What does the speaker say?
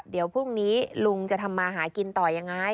เดี๋ยวพรุ่งนี้ลุงจะทำมาหากินต่อยังไง